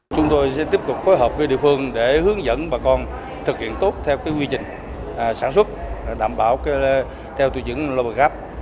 chúng tôi sẽ tiếp tục phối hợp với địa phương để hướng dẫn bà con thực hiện tốt theo quy trình sản xuất đảm bảo theo tư chứng lô bờ gắp